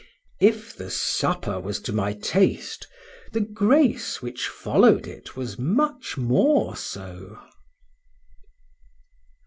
If the supper was to my taste,—the grace which followed it was much more so.